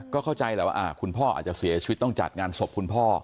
ก็เข้าใจแหละว่าคุณพ่ออาจจะเสียชีวิตต้องจัดงานศพคุณพ่อ